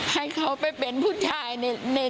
ให้เขาไปเป็นพุทธชาติ